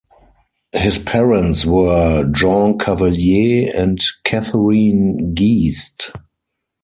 His parents were Jean Cavelier and Catherine Geest.